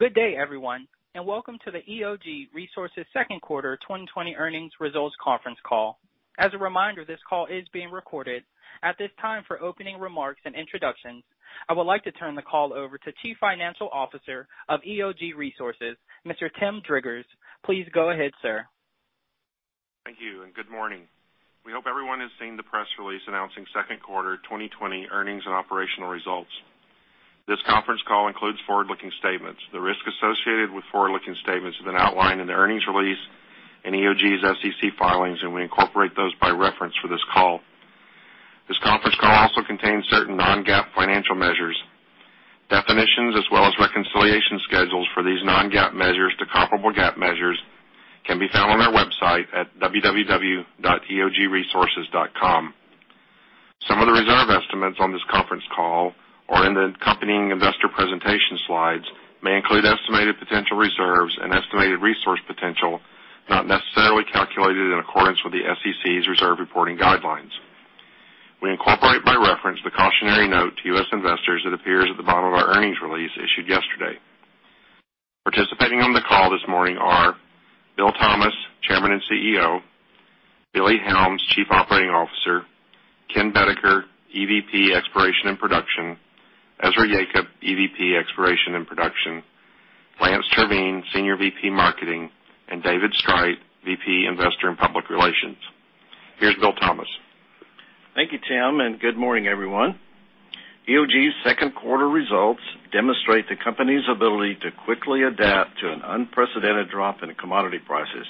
Good day, everyone, and welcome to the EOG Resources second quarter 2020 earnings results conference call. As a reminder, this call is being recorded. At this time, for opening remarks and introductions, I would like to turn the call over to Chief Financial Officer of EOG Resources, Mr. Tim Driggers. Please go ahead, sir. Thank you, and good morning. We hope everyone has seen the press release announcing second quarter 2020 earnings and operational results. This conference call includes forward-looking statements. The risks associated with forward-looking statements have been outlined in the earnings release and EOG's SEC filings, and we incorporate those by reference for this call. This conference call also contains certain non-GAAP financial measures. Definitions, as well as reconciliation schedules for these non-GAAP measures to comparable GAAP measures, can be found on our website at www.eogresources.com. Some of the reserve estimates on this conference call or in the accompanying investor presentation slides may include estimated potential reserves and estimated resource potential, not necessarily calculated in accordance with the SEC's reserve reporting guidelines. We incorporate by reference the cautionary note to US investors that appears at the bottom of our earnings release issued yesterday. Participating on the call this morning are Bill Thomas, Chairman and CEO; Billy Helms, Chief Operating Officer; Ken Boedeker, EVP, Exploration and Production; Ezra Yacob, EVP, Exploration and Production; Lance Terveen, Senior VP, Marketing; and David Streit, VP, Investor and Public Relations. Here's Bill Thomas. Thank you, Tim, and good morning, everyone. EOG's second quarter results demonstrate the company's ability to quickly adapt to an unprecedented drop in commodity prices.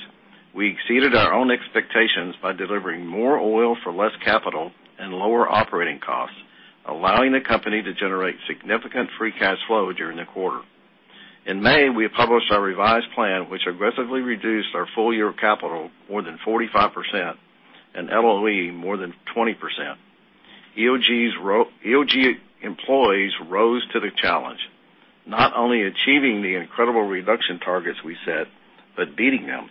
We exceeded our own expectations by delivering more oil for less capital and lower operating costs, allowing the company to generate significant free cash flow during the quarter. In May, we published our revised plan, which aggressively reduced our full-year capital more than 45% and LOE more than 20%. EOG employees rose to the challenge, not only achieving the incredible reduction targets we set, but beating them.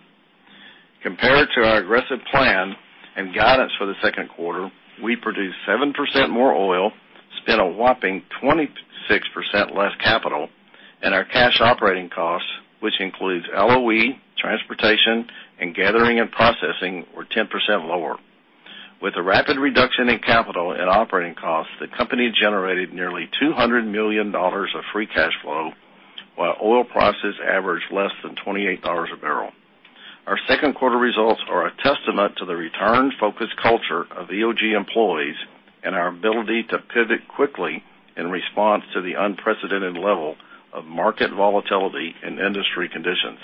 Compared to our aggressive plan and guidance for the second quarter, we produced 7% more oil, spent a whopping 26% less capital, and our cash operating costs, which includes LOE, transportation, and gathering and processing, were 10% lower. With a rapid reduction in capital and operating costs, the company generated nearly $200 million of free cash flow while oil prices averaged less than $28 a barrel. Our second quarter results are a testament to the return-focused culture of EOG employees and our ability to pivot quickly in response to the unprecedented level of market volatility and industry conditions.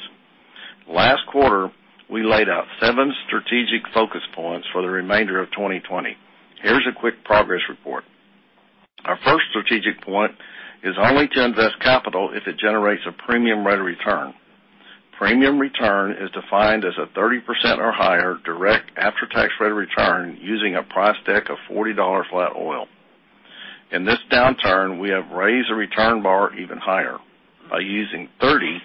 Last quarter, we laid out seven strategic focus points for the remainder of 2020. Here's a quick progress report. Our first strategic point is only to invest capital if it generates a premium rate of return. Premium return is defined as a 30% or higher direct after-tax rate of return using a price tag of $40 flat oil. In this downturn, we have raised the return bar even higher by using $30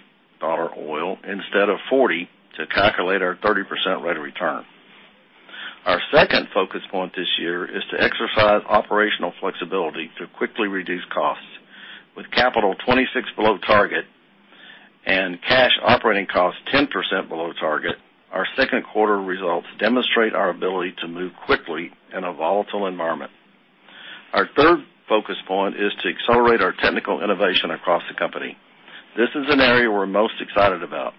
oil instead of $40 to calculate our 30% rate of return. Our second focus point this year is to exercise operational flexibility to quickly reduce costs. With CapEx 26 below target and cash operating costs 10% below target, our second quarter results demonstrate our ability to move quickly in a volatile environment. Our third focus point is to accelerate our technical innovation across the company. This is an area we're most excited about.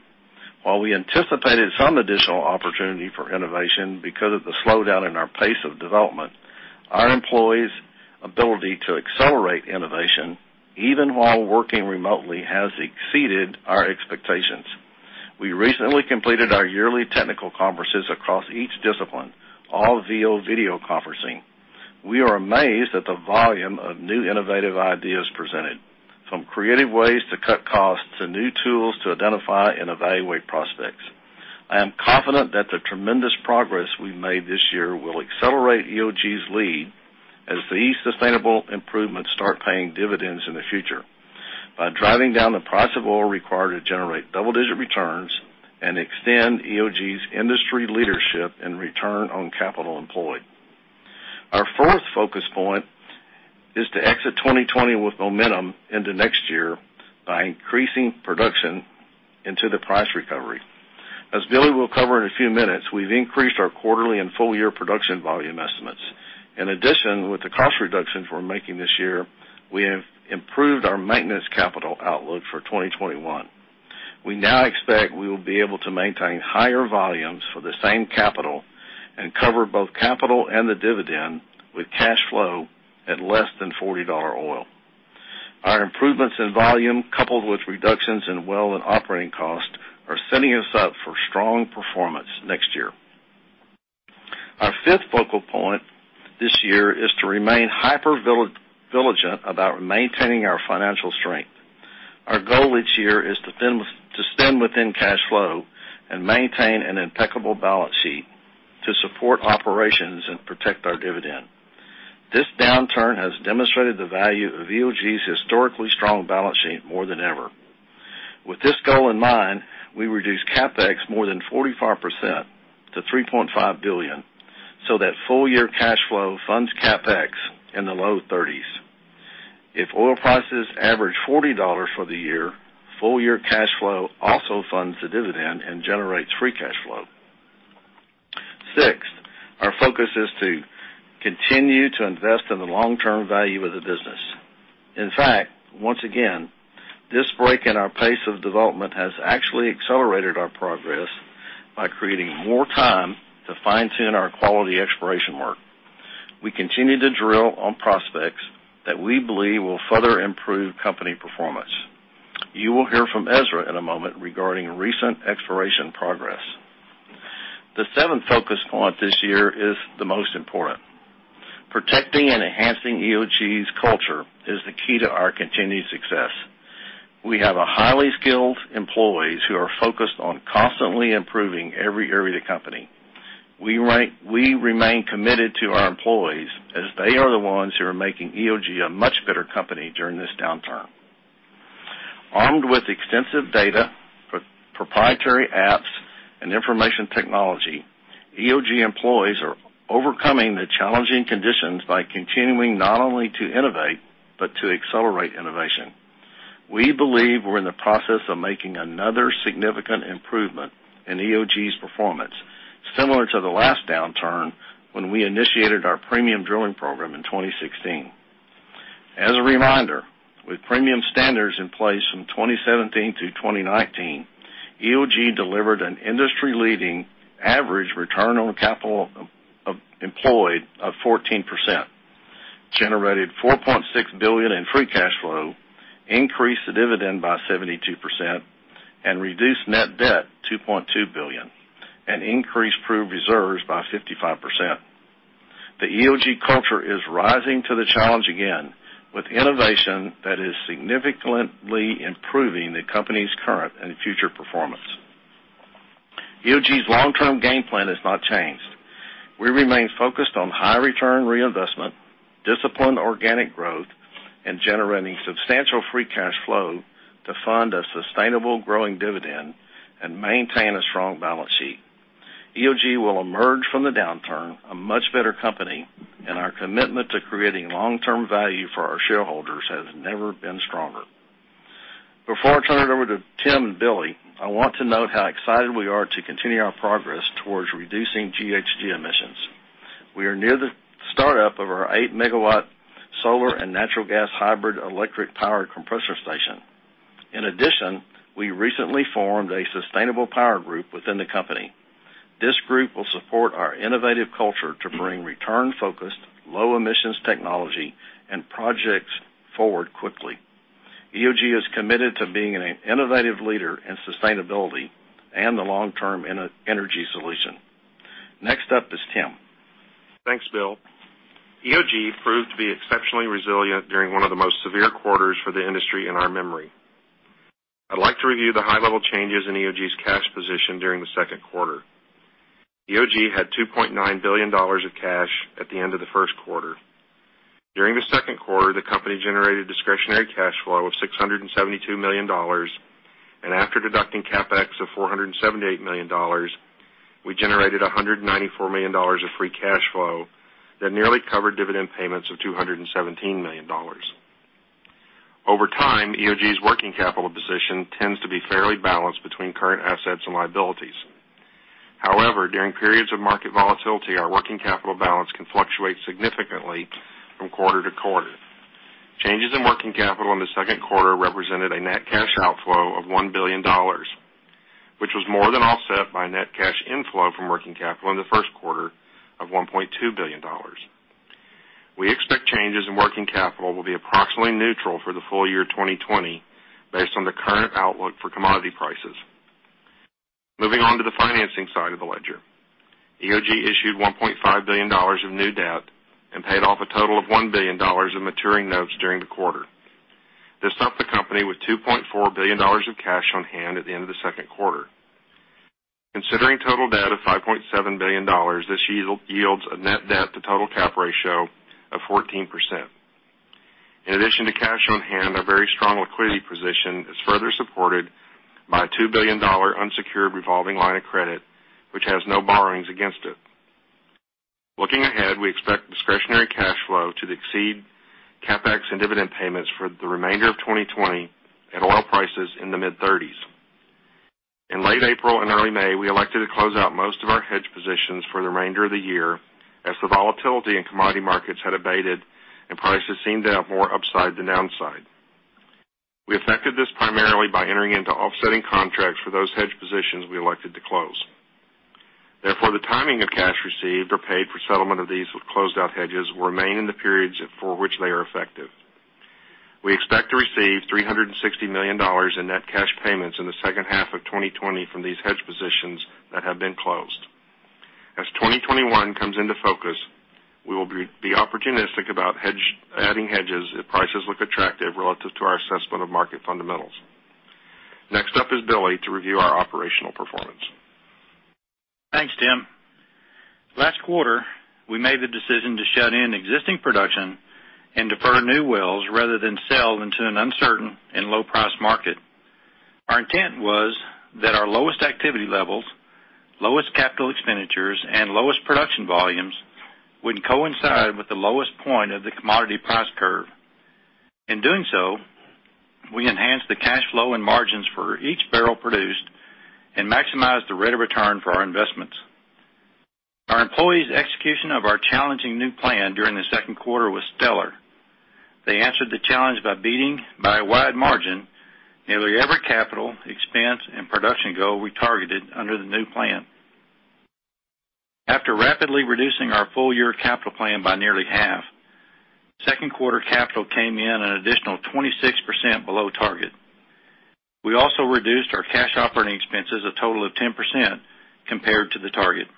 While we anticipated some additional opportunity for innovation because of the slowdown in our pace of development, our employees' ability to accelerate innovation even while working remotely, has exceeded our expectations. We recently completed our yearly technical conferences across each discipline, all via video conferencing. We are amazed at the volume of new innovative ideas presented, from creative ways to cut costs to new tools to identify and evaluate prospects. I am confident that the tremendous progress we've made this year will accelerate EOG's lead as these sustainable improvements start paying dividends in the future by driving down the price of oil required to generate double-digit returns and extend EOG's industry leadership in return on capital employed. Our fourth focus point is to exit 2020 with momentum into next year by increasing production into the price recovery. As Billy will cover in a few minutes, we've increased our quarterly and full-year production volume estimates. In addition, with the cost reductions we're making this year, we have improved our maintenance capital outlook for 2021. We now expect we will be able to maintain higher volumes for the same capital and cover both capital and the dividend with cash flow at less than $40 oil. Our improvements in volume, coupled with reductions in well and operating costs, are setting us up for strong performance next year. Our fifth focal point this year is to remain hyper-vigilant about maintaining our financial strength. Our goal each year is to spend within cash flow and maintain an impeccable balance sheet to support operations and protect our dividend. This downturn has demonstrated the value of EOG's historically strong balance sheet more than ever. With this goal in mind, we reduced CapEx more than 45% to $3.5 billion, so that full year cash flow funds CapEx in the low 30s. If oil prices average $40 for the year, full year cash flow also funds the dividend and generates free cash flow. Sixth, our focus is to continue to invest in the long-term value of the business. In fact, once again, this break in our pace of development has actually accelerated our progress by creating more time to fine-tune our quality exploration work. We continue to drill on prospects that we believe will further improve company performance. You will hear from Ezra in a moment regarding recent exploration progress. The seventh focus point this year is the most important. Protecting and enhancing EOG's culture is the key to our continued success. We have a highly skilled employees who are focused on constantly improving every area of the company. We remain committed to our employees as they are the ones who are making EOG a much better company during this downturn. Armed with extensive data, proprietary apps, and information technology, EOG employees are overcoming the challenging conditions by continuing not only to innovate but to accelerate innovation. We believe we're in the process of making another significant improvement in EOG's performance, similar to the last downturn when we initiated our premium drilling program in 2016. As a reminder, with premium standards in place from 2017 to 2019, EOG delivered an industry-leading average return on capital employed of 14%, generated $4.6 billion in free cash flow, increased the dividend by 72%, and reduced net debt $2.2 billion, and increased proved reserves by 55%. The EOG culture is rising to the challenge again with innovation that is significantly improving the company's current and future performance. EOG's long-term game plan has not changed. We remain focused on high return reinvestment, disciplined organic growth, and generating substantial free cash flow to fund a sustainable growing dividend and maintain a strong balance sheet. EOG will emerge from the downturn a much better company, and our commitment to creating long-term value for our shareholders has never been stronger. Before I turn it over to Tim and Billy, I want to note how excited we are to continue our progress towards reducing GHG emissions. We are near the startup of our eight-megawatt solar and natural gas hybrid electric power compressor station. In addition, we recently formed a sustainable power group within the company. This group will support our innovative culture to bring return-focused, low-emissions technology and projects forward quickly. EOG is committed to being an innovative leader in sustainability and the long-term energy solution. Next up is Tim. Thanks, Bill. EOG proved to be exceptionally resilient during one of the most severe quarters for the industry in our memory. I'd like to review the high-level changes in EOG's cash position during the second quarter. EOG had $2.9 billion of cash at the end of the first quarter. During the second quarter, the company generated discretionary cash flow of $672 million, and after deducting CapEx of $478 million, we generated $194 million of free cash flow that nearly covered dividend payments of $217 million. Over time, EOG's working capital position tends to be fairly balanced between current assets and liabilities. However, during periods of market volatility, our working capital balance can fluctuate significantly from quarter to quarter. Changes in working capital in the second quarter represented a net cash outflow of $1 billion, which was more than offset by net cash inflow from working capital in the first quarter of $1.2 billion. We expect changes in working capital will be approximately neutral for the full year 2020 based on the current outlook for commodity prices. Moving on to the financing side of the ledger. EOG issued $1.5 billion of new debt and paid off a total of $1 billion in maturing notes during the quarter. This left the company with $2.4 billion of cash on hand at the end of the second quarter. Considering total debt of $5.7 billion, this yields a net debt to total cap ratio of 14%. In addition to cash on hand, our very strong liquidity position is further supported by a $2 billion unsecured revolving line of credit, which has no borrowings against it. Looking ahead, we expect discretionary cash flow to exceed CapEx and dividend payments for the remainder of 2020 at oil prices in the mid-30s. In late April and early May, we elected to close out most of our hedge positions for the remainder of the year as the volatility in commodity markets had abated and prices seemed to have more upside than downside. We effected this primarily by entering into offsetting contracts for those hedge positions we elected to close. The timing of cash received or paid for settlement of these closed-out hedges will remain in the periods for which they are effective. We expect to receive $360 million in net cash payments in the second half of 2020 from these hedge positions that have been closed. As 2021 comes into focus, we will be opportunistic about adding hedges if prices look attractive relative to our assessment of market fundamentals. Next up is Billy to review our operational performance. Thanks, Tim. Last quarter, we made the decision to shut in existing production and defer new wells rather than sell into an uncertain and low-price market. Our intent was that our lowest activity levels, lowest capital expenditures, and lowest production volumes would coincide with the lowest point of the commodity price curve. In doing so, we enhanced the cash flow and margins for each barrel produced and maximized the rate of return for our investments. Our employees' execution of our challenging new plan during the second quarter was stellar. They answered the challenge by beating, by a wide margin, nearly every capital, expense, and production goal we targeted under the new plan. After rapidly reducing our full-year capital plan by nearly half, second quarter capital came in an additional 26% below target. We also reduced our cash operating expenses a total of 10% compared to the target.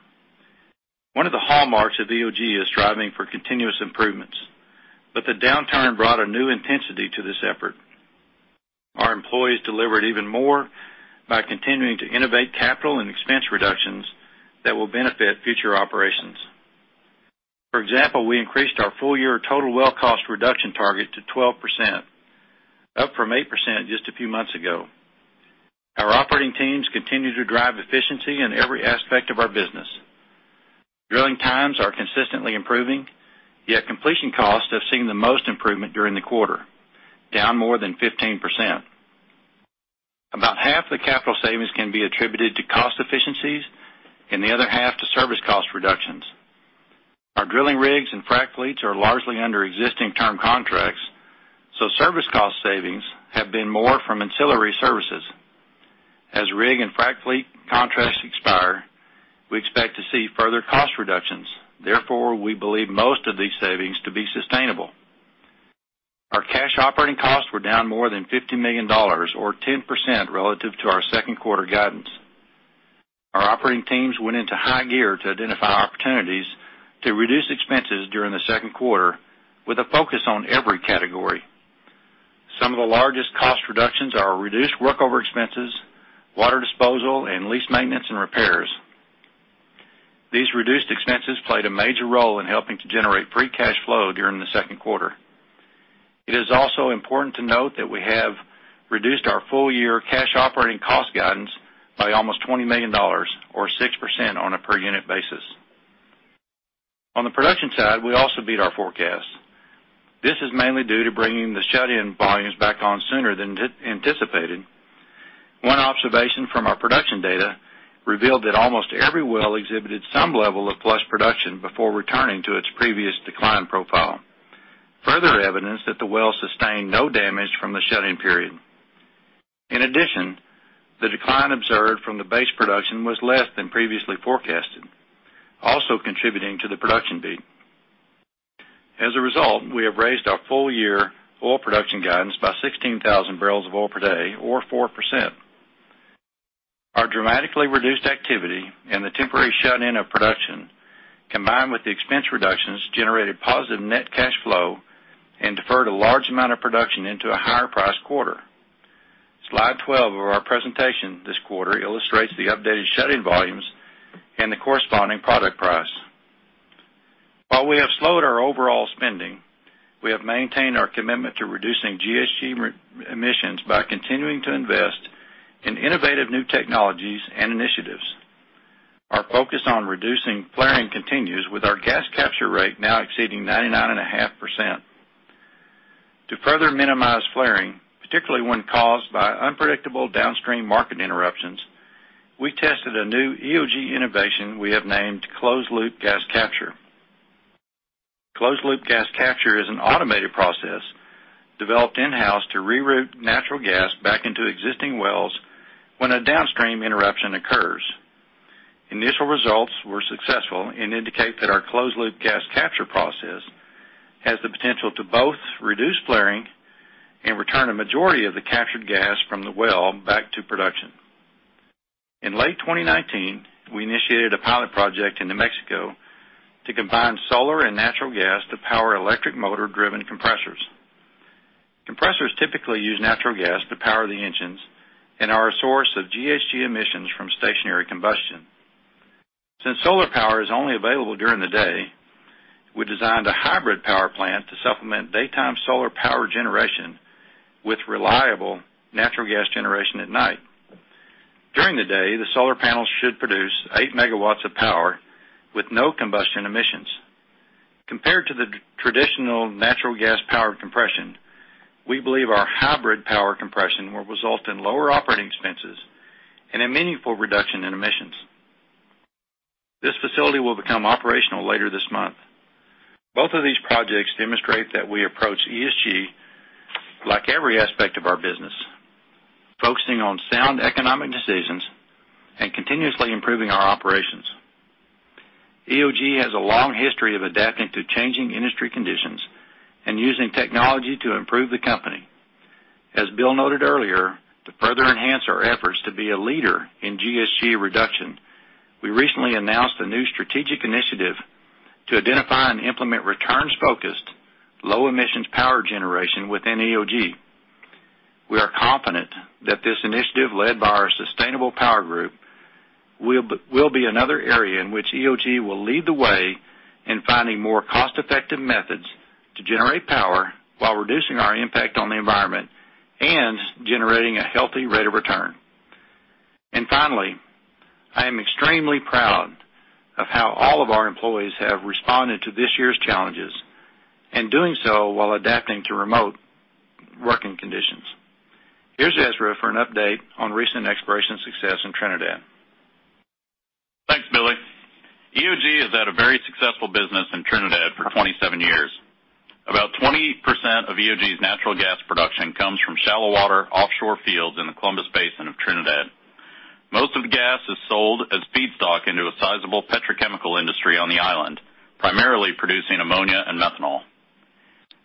One of the hallmarks of EOG is striving for continuous improvements, but the downturn brought a new intensity to this effort. Our employees delivered even more by continuing to innovate capital and expense reductions that will benefit future operations. For example, we increased our full-year total well cost reduction target to 12%, up from 8% just a few months ago. Our operating teams continue to drive efficiency in every aspect of our business. Drilling times are consistently improving, yet completion costs have seen the most improvement during the quarter, down more than 15%. About half the capital savings can be attributed to cost efficiencies and the other half to service cost reductions. Our drilling rigs and frac fleets are largely under existing term contracts, so service cost savings have been more from ancillary services. As rig and frac fleet contracts expire, we expect to see further cost reductions. Therefore, we believe most of these savings to be sustainable. Our cash operating costs were down more than $50 million, or 10% relative to our second quarter guidance. Our operating teams went into high gear to identify opportunities to reduce expenses during the second quarter, with a focus on every category. Some of the largest cost reductions are reduced workover expenses, water disposal, and lease maintenance and repairs. These reduced expenses played a major role in helping to generate free cash flow during the second quarter. It is also important to note that we have reduced our full-year cash operating cost guidance by almost $20 million, or 6% on a per unit basis. On the production side, we also beat our forecast. This is mainly due to bringing the shut-in volumes back on sooner than anticipated. One observation from our production data revealed that almost every well exhibited some level of flush production before returning to its previous decline profile. Further evidence that the well sustained no damage from the shut-in period. In addition, the decline observed from the base production was less than previously forecasted, also contributing to the production beat. As a result, we have raised our full-year oil production guidance by 16,000 barrels of oil per day or 4%. Our dramatically reduced activity and the temporary shut-in of production, combined with the expense reductions, generated positive net cash flow and deferred a large amount of production into a higher price quarter. Slide 12 of our presentation this quarter illustrates the updated shut-in volumes and the corresponding product price. While we have slowed our overall spending, we have maintained our commitment to reducing GHG emissions by continuing to invest in innovative new technologies and initiatives. Our focus on reducing flaring continues with our gas capture rate now exceeding 99.5%. To further minimize flaring, particularly when caused by unpredictable downstream market interruptions, we tested a new EOG innovation we have named Closed Loop Gas Capture. Closed Loop Gas Capture is an automated process developed in-house to reroute natural gas back into existing wells when a downstream interruption occurs. Initial results were successful and indicate that our Closed Loop Gas Capture process has the potential to both reduce flaring and return a majority of the captured gas from the well back to production. In late 2019, we initiated a pilot project in New Mexico to combine solar and natural gas to power electric motor-driven compressors. Compressors typically use natural gas to power the engines and are a source of GHG emissions from stationary combustion. Since solar power is only available during the day, we designed a hybrid power plant to supplement daytime solar power generation with reliable natural gas generation at night. During the day, the solar panels should produce 8 MW of power with no combustion emissions. Compared to the traditional natural gas powered compression, we believe our hybrid power compression will result in lower operating expenses and a meaningful reduction in emissions. This facility will become operational later this month. Both of these projects demonstrate that we approach ESG like every aspect of our business, focusing on sound economic decisions and continuously improving our operations. EOG has a long history of adapting to changing industry conditions and using technology to improve the company. As Bill noted earlier, to further enhance our efforts to be a leader in GHG reduction, we recently announced a new strategic initiative to identify and implement returns-focused, low-emissions power generation within EOG. We are confident that this initiative led by our sustainable power group will be another area in which EOG will lead the way in finding more cost-effective methods to generate power while reducing our impact on the environment and generating a healthy rate of return. Finally, I am extremely proud of how all of our employees have responded to this year's challenges and doing so while adapting to remote working conditions. Here's Ezra for an update on recent exploration success in Trinidad. Thanks, Billy. EOG has had a very successful business in Trinidad for 27 years. About 20% of EOG's natural gas production comes from shallow water offshore fields in the Columbus Basin of Trinidad. Most of the gas is sold as feedstock into a sizable petrochemical industry on the island, primarily producing ammonia and methanol.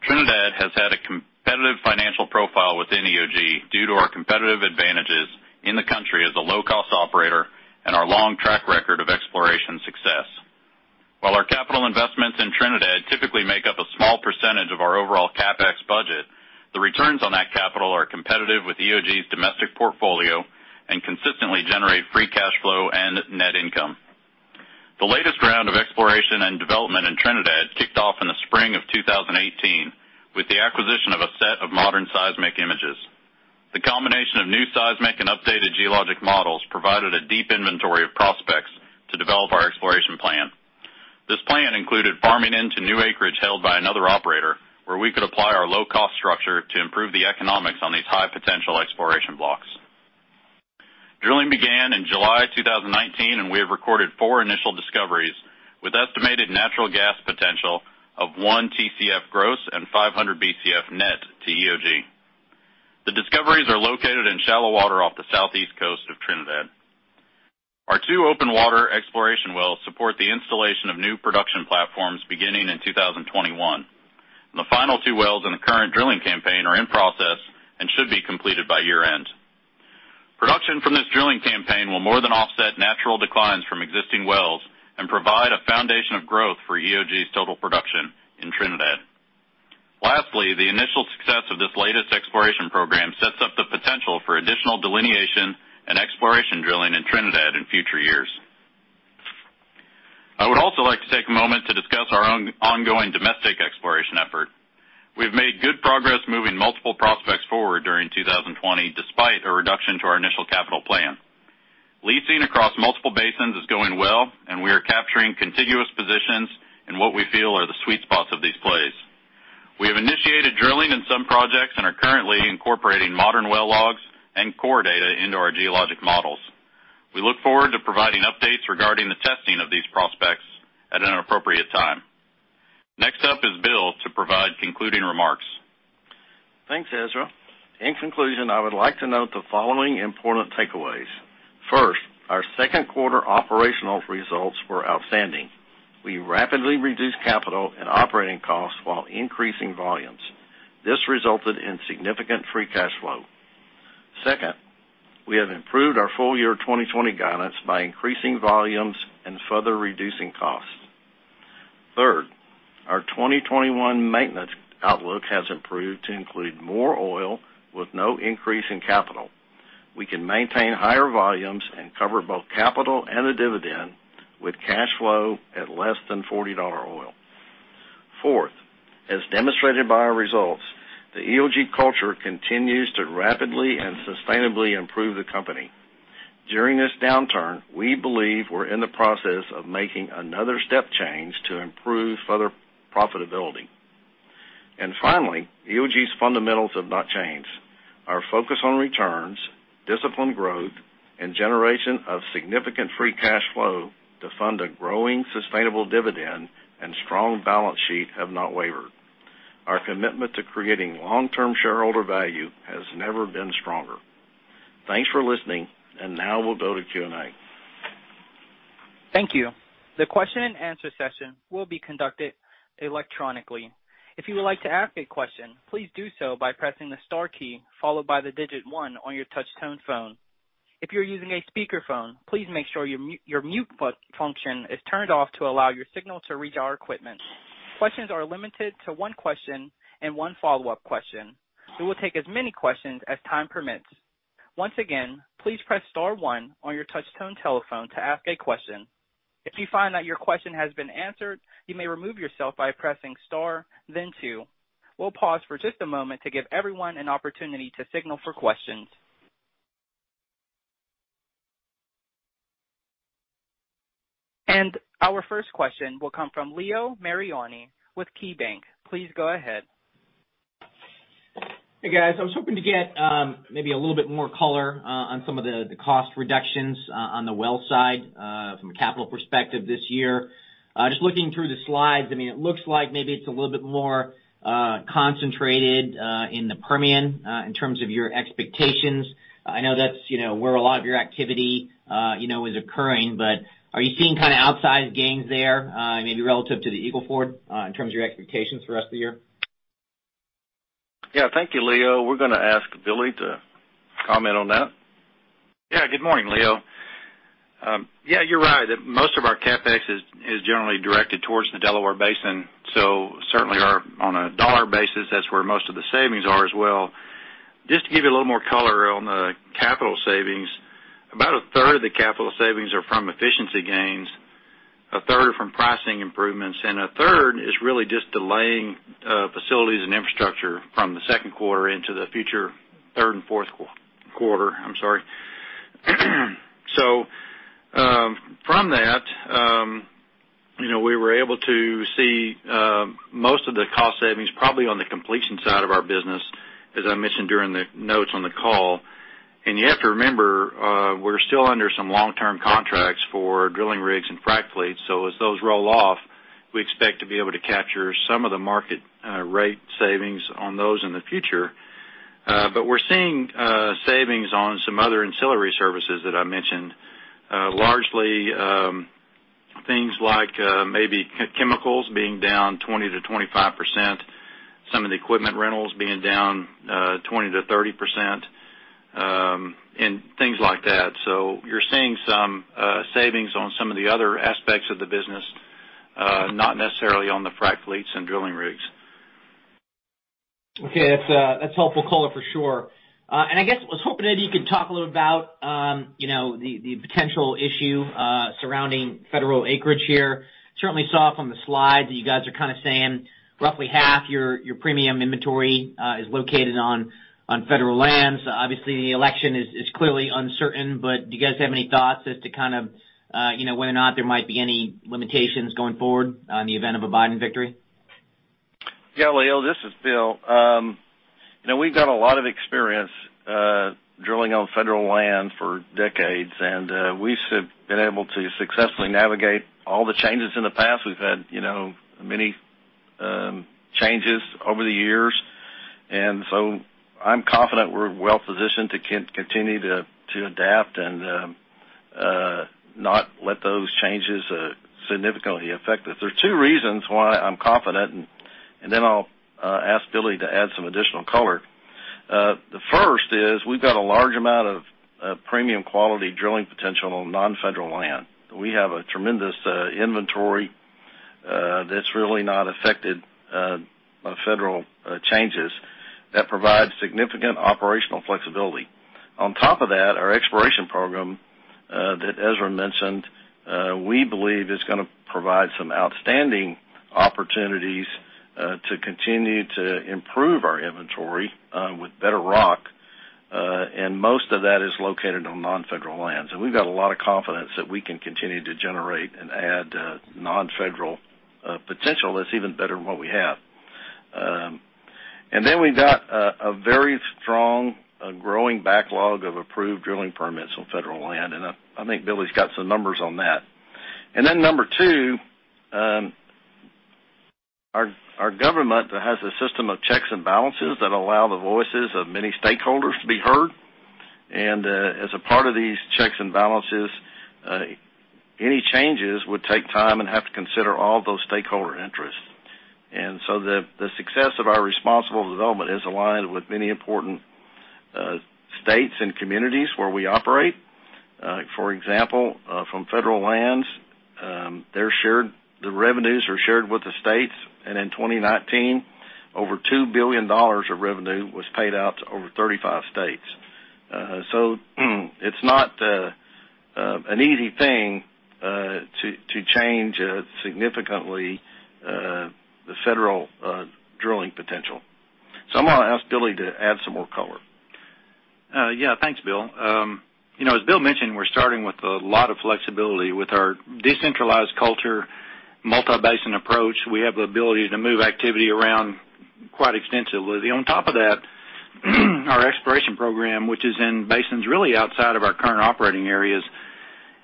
Trinidad has had a competitive financial profile within EOG due to our competitive advantages in the country as a low-cost operator and our long track record of exploration success. While our capital investments in Trinidad typically make up a small percentage of our overall CapEx budget, the returns on that capital are competitive with EOG's domestic portfolio and consistently generate free cash flow and net income. The latest round of exploration and development in Trinidad kicked off in the spring of 2018 with the acquisition of a set of modern seismic images. The combination of new seismic and updated geologic models provided a deep inventory of prospects to develop our exploration plan. This plan included farming into new acreage held by another operator, where we could apply our low-cost structure to improve the economics on these high-potential exploration blocks. Drilling began in July 2019, and we have recorded four initial discoveries, with estimated natural gas potential of 1 TCF gross and 500 BCF net to EOG. The discoveries are located in shallow water off the southeast coast of Trinidad. Our two open water exploration wells support the installation of new production platforms beginning in 2021. The final two wells in the current drilling campaign are in process and should be completed by year-end. Production from this drilling campaign will more than offset natural declines from existing wells and provide a foundation of growth for EOG's total production in Trinidad. The initial success of this latest exploration program sets up the potential for additional delineation and exploration drilling in Trinidad in future years. I would also like to take a moment to discuss our ongoing domestic exploration effort. We've made good progress moving multiple prospects forward during 2020, despite a reduction to our initial capital plan. Leasing across multiple basins is going well. We are capturing contiguous positions in what we feel are the sweet spots of these plays. We have initiated drilling in some projects. We are currently incorporating modern well logs and core data into our geologic models. We look forward to providing updates regarding the testing of these prospects at an appropriate time. Next up is Bill to provide concluding remarks. Thanks, Ezra. In conclusion, I would like to note the following important takeaways. First, our second quarter operational results were outstanding. We rapidly reduced capital and operating costs while increasing volumes. This resulted in significant free cash flow. Second, we have improved our full-year 2020 guidance by increasing volumes and further reducing costs. Third, our 2021 maintenance outlook has improved to include more oil with no increase in capital. We can maintain higher volumes and cover both capital and a dividend, with cash flow at less than $40 oil. Fourth, as demonstrated by our results, the EOG culture continues to rapidly and sustainably improve the company. During this downturn, we believe we're in the process of making another step change to improve further profitability. Finally, EOG's fundamentals have not changed. Our focus on returns, disciplined growth, and generation of significant free cash flow to fund a growing, sustainable dividend and strong balance sheet have not wavered. Our commitment to creating long-term shareholder value has never been stronger. Thanks for listening. Now we'll go to Q&A. Thank you. The question and answer session will be conducted electronically. If you would like to ask a question, please do so by pressing the star key followed by the digit 1 on your touch-tone phone. If you're using a speakerphone, please make sure your mute function is turned off to allow your signal to reach our equipment. Questions are limited to 1 question and 1 follow-up question. We will take as many questions as time permits. Once again, please press star 1 on your touch-tone telephone to ask a question. If you find that your question has been answered, you may remove yourself by pressing star, then 2. We'll pause for just a moment to give everyone an opportunity to signal for questions. And our first question will come from Leo Mariani with KeyBanc. Please go ahead. Hey, guys. I was hoping to get maybe a little bit more color on some of the cost reductions on the well side from a capital perspective this year. Just looking through the slides, it looks like maybe it's a little bit more concentrated in the Permian in terms of your expectations. I know that's where a lot of your activity is occurring, are you seeing kind of outsized gains there, maybe relative to the Eagle Ford, in terms of your expectations for the rest of the year? Yeah, thank you, Leo. We're going to ask Billy to comment on that. Yeah. Good morning, Leo. Yeah, you're right. Most of our CapEx is generally directed towards the Delaware Basin. Certainly on a dollar basis, that's where most of the savings are as well. Just to give you a little more color on the capital savings, about a third of the capital savings are from efficiency gains, a third are from pricing improvements, and a third is really just delaying facilities and infrastructure from the second quarter into the future third and fourth quarter. I'm sorry. From that, we were able to see most of the cost savings probably on the completion side of our business, as I mentioned during the notes on the call. You have to remember, we're still under some long-term contracts for drilling rigs and frac fleets. As those roll off, we expect to be able to capture some of the market rate savings on those in the future. We're seeing savings on some other ancillary services that I mentioned. Largely, things like maybe chemicals being down 20%-25%, some of the equipment rentals being down 20%-30%, and things like that. You're seeing some savings on some of the other aspects of the business, not necessarily on the frac fleets and drilling rigs. Okay. That's helpful color for sure. I guess I was hoping maybe you could talk a little about the potential issue surrounding federal acreage here. Certainly saw from the slides that you guys are saying roughly half your premium inventory is located on federal lands. Obviously, the election is clearly uncertain, but do you guys have any thoughts as to whether or not there might be any limitations going forward in the event of a Biden victory? Yeah, Leo, this is Bill. We've got a lot of experience drilling on federal land for decades, and we've been able to successfully navigate all the changes in the past. We've had many changes over the years. I'm confident we're well-positioned to continue to adapt and not let those changes significantly affect us. There are two reasons why I'm confident. I'll ask Billy to add some additional color. The first is we've got a large amount of premium quality drilling potential on non-federal land. We have a tremendous inventory that's really not affected by federal changes that provide significant operational flexibility. On top of that, our exploration program, that Ezra mentioned, we believe is going to provide some outstanding opportunities to continue to improve our inventory with better rock, and most of that is located on non-federal lands. We've got a lot of confidence that we can continue to generate and add non-federal potential that's even better than what we have. Then we've got a very strong growing backlog of approved drilling permits on federal land, and I think Billy's got some numbers on that. Then number two, our government has a system of checks and balances that allow the voices of many stakeholders to be heard. As a part of these checks and balances, any changes would take time and have to consider all those stakeholder interests. So the success of our responsible development is aligned with many important states and communities where we operate. For example, from federal lands, the revenues are shared with the states, and in 2019, over $2 billion of revenue was paid out to over 35 states. It's not an easy thing to change significantly the federal drilling potential. I'm going to ask Billy to add some more color. Thanks, Bill. As Bill mentioned, we're starting with a lot of flexibility with our decentralized culture, multi-basin approach. We have the ability to move activity around quite extensively. Our exploration program, which is in basins really outside of our current operating areas,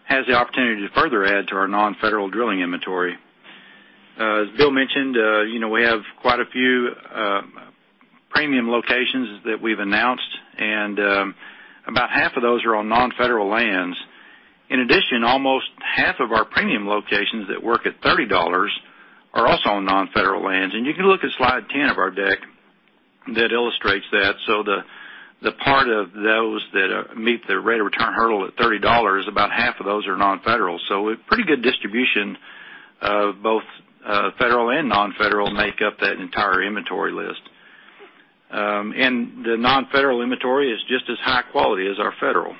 has the opportunity to further add to our non-federal drilling inventory. As Bill mentioned, we have quite a few premium locations that we've announced, and about half of those are on non-federal lands. Almost half of our premium locations that work at $30 are also on non-federal lands. You can look at slide 10 of our deck that illustrates that. The part of those that meet the rate of return hurdle at $30, about half of those are non-federal. A pretty good distribution of both federal and non-federal make up that entire inventory list. The non-federal inventory is just as high quality as our federal.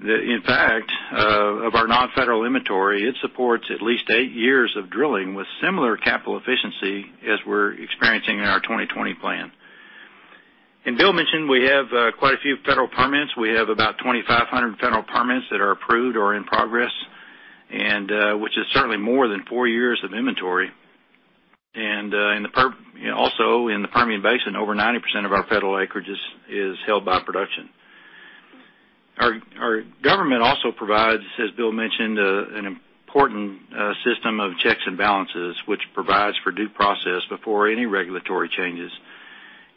In fact, of our non-federal inventory, it supports at least eight years of drilling with similar capital efficiency as we're experiencing in our 2020 plan. Bill mentioned we have quite a few federal permits. We have about 2,500 federal permits that are approved or in progress, and which is certainly more than four years of inventory. Also, in the Permian Basin, over 90% of our federal acreages is held by production. Our government also provides, as Bill mentioned, an important system of checks and balances, which provides for due process before any regulatory changes.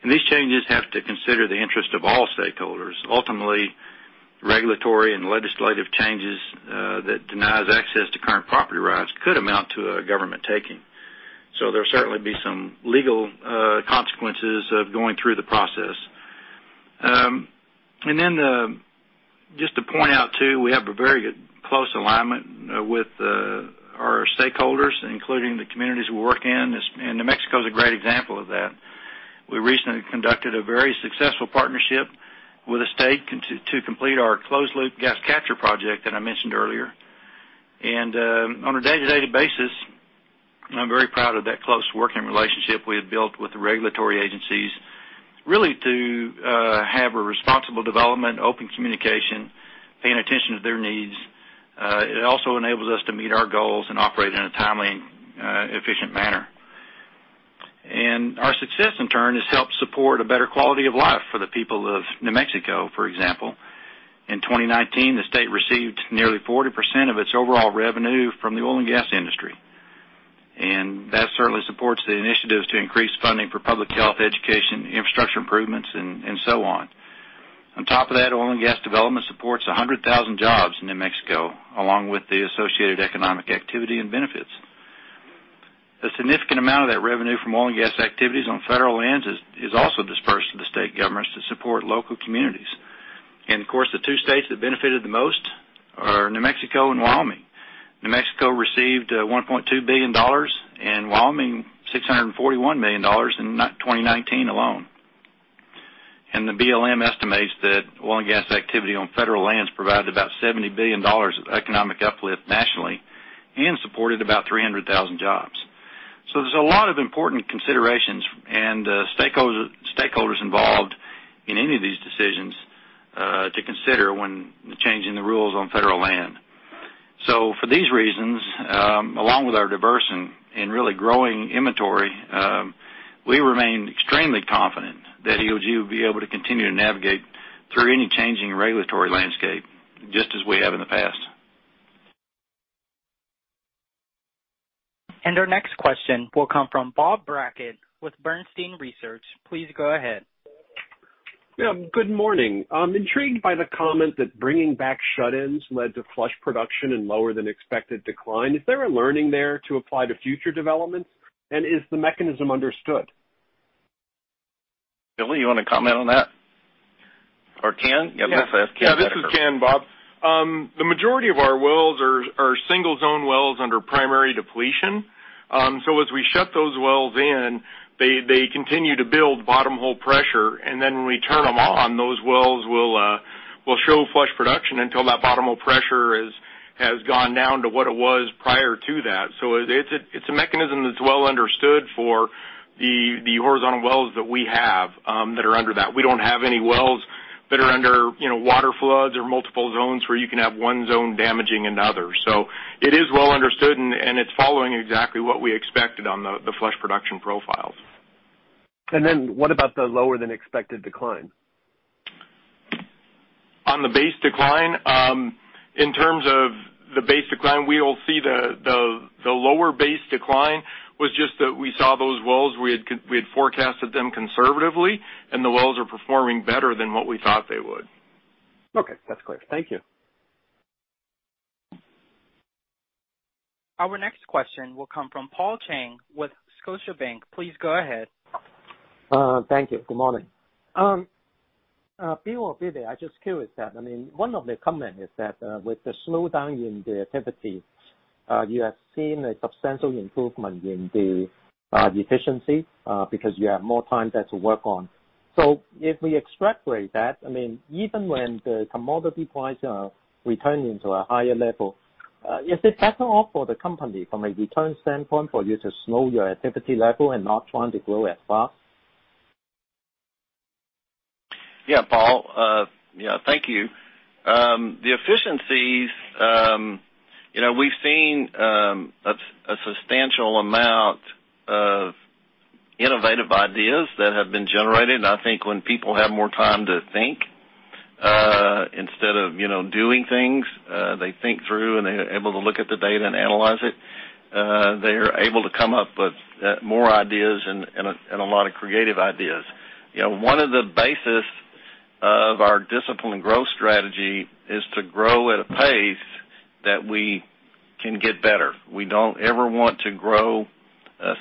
These changes have to consider the interest of all stakeholders. Ultimately, regulatory and legislative changes that denies access to current property rights could amount to a government taking. There'll certainly be some legal consequences of going through the process. Just to point out too, we have a very close alignment with our stakeholders, including the communities we work in, New Mexico is a great example of that. We recently conducted a very successful partnership with the state to complete our Closed Loop Gas Capture project that I mentioned earlier. On a day-to-day basis, I'm very proud of that close working relationship we have built with the regulatory agencies, really to have a responsible development, open communication, paying attention to their needs. It also enables us to meet our goals and operate in a timely and efficient manner. Our success, in turn, has helped support a better quality of life for the people of New Mexico, for example. In 2019, the state received nearly 40% of its overall revenue from the oil and gas industry, that certainly supports the initiatives to increase funding for public health, education, infrastructure improvements, and so on. On top of that, oil and gas development supports 100,000 jobs in New Mexico, along with the associated economic activity and benefits. A significant amount of that revenue from oil and gas activities on federal lands is also dispersed to the state governments to support local communities. Of course, the two states that benefited the most are New Mexico and Wyoming. New Mexico received $1.2 billion, and Wyoming, $641 million in 2019 alone. The BLM estimates that oil and gas activity on federal lands provided about $70 billion of economic uplift nationally and supported about 300,000 jobs. There's a lot of important considerations and stakeholders involved in any of these decisions to consider when changing the rules on federal land. For these reasons, along with our diverse and really growing inventory, we remain extremely confident that EOG will be able to continue to navigate through any changing regulatory landscape, just as we have in the past. Our next question will come from Bob Brackett with Bernstein Research. Please go ahead. Yeah, good morning. I'm intrigued by the comment that bringing back shut-ins led to flush production and lower than expected decline. Is there a learning there to apply to future developments? Is the mechanism understood? Billy, you want to comment on that? Ken? Yeah, I'm going to ask Ken that first. Yeah. This is Ken, Bob. The majority of our wells are single zone wells under primary depletion. As we shut those wells in, they continue to build bottom hole pressure, and then when we turn them on, those wells will show flush production until that bottom hole pressure has gone down to what it was prior to that. It's a mechanism that's well understood for the horizontal wells that we have, that are under that. We don't have any wells that are under water floods or multiple zones where you can have one zone damaging another. It is well understood, and it's following exactly what we expected on the flush production profiles. What about the lower than expected decline? On the base decline? In terms of the base decline, we will see the lower base decline was just that we saw those wells, we had forecasted them conservatively, and the wells are performing better than what we thought they would. Okay. That's clear. Thank you. Our next question will come from Paul Cheng with Scotiabank. Please go ahead. Thank you. Good morning. Bill or Billy, I'm just curious that, one of the comments is that with the slowdown in the activity, you have seen a substantial improvement in the efficiency because you have more time there to work on. If we extrapolate that, even when the commodity prices are returning to a higher level, is it better off for the company from a return standpoint for you to slow your activity level and not trying to grow as fast? Yeah, Paul. Thank you. The efficiencies, we've seen a substantial amount of innovative ideas that have been generated. I think when people have more time to think, instead of doing things, they think through and they're able to look at the data and analyze it. They're able to come up with more ideas and a lot of creative ideas. One of the bases of our discipline growth strategy is to grow at a pace that we can get better. We don't ever want to grow